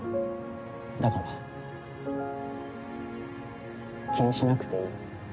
だから気にしなくていい。